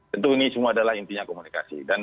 tentu ini semua adalah intinya komunikasi